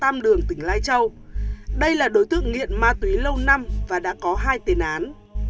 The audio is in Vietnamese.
tam đường tỉnh lai châu đây là đối tượng nghiện ma túy lâu năm và đã có hai tiền án